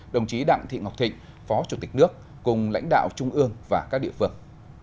đồng chí đặng thị ngọc thịnh phó chủ tịch nước cùng lãnh đạo trung ương và các địa phương